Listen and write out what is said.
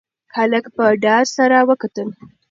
هلک په ډار سره وکتل.